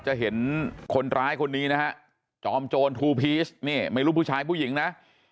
จะเห็นคนร้ายคนนี้นะฮะจอมโจรทูพีชนี่ไม่รู้ผู้ชายผู้หญิงนะ